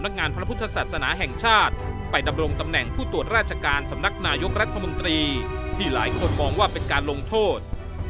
เกิดทุกรัฐมนตรีที่หลายคนมองว่าเป็นการลงโทษ